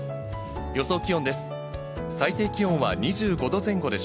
予想気温です。